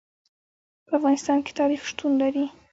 په افغانستان کې تاریخ شتون لري.